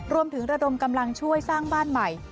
ระดมกำลังช่วยสร้างบ้านใหม่